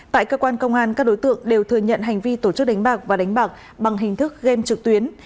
tại cơ quan công an các đối tượng đều thừa nhận hành vi tổ chức đánh bạc và đánh bạc bằng hình thức game trực tuyến